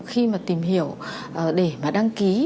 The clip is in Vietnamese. khi mà tìm hiểu để mà đăng ký